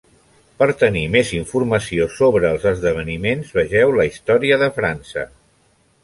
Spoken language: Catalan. Per tenir més informació sobre els esdeveniments, vegeu la Història de França.